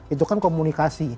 itu kan komunikasi